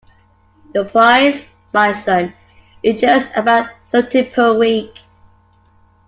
Your price, my son, is just about thirty per week.